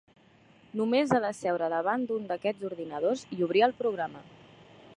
Només ha de seure davant d'un d'aquests ordinadors i obrir el programa.